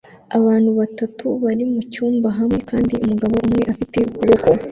Abantu batatu bari mucyumba hamwe kandi umugabo umwe afite ukuboko